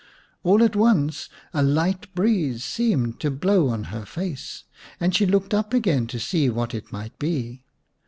All at once a light breeze seemed to blow on her face, and she looked up again to see what it might be.